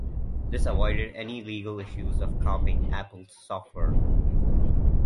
This avoided any legal issues of copying Apple's software.